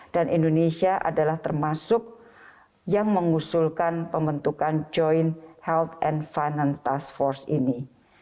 dan indonesia adalah termasuk yang mengusulkan pembentukan joint health and finance task force ini